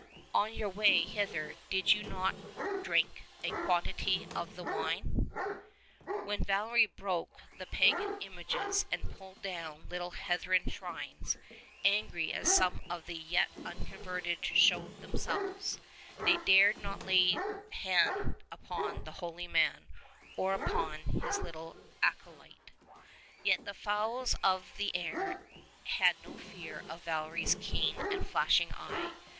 On your way hither did you not drink a quantity of the wine ?" When Valery broke the pagan images and pulled down little heathen shrines, angry as some of the yet unconverted showed themselves, they dared not lay hand upon the holy man or upon his little acolyte. Yet the fowls of the air had no fear of Valery's keen and flashing eye.